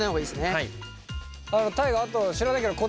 はい。